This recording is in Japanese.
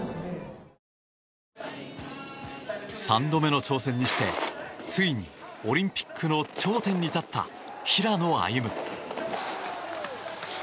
３度目の挑戦にしてついにオリンピックの頂点に立った平野歩夢。